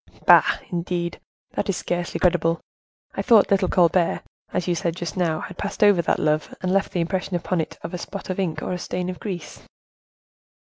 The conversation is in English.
"Bah! indeed? That is scarcely credible. I thought little Colbert, as you said just now, had passed over that love, and left the impression upon it of a spot of ink or a stain of grease."